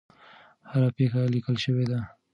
هره پېښه لیکل شوې ده.